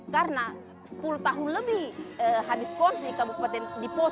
karena sepuluh tahun lebih habis konflik kabupaten diposong